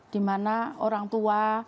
dimana orang tua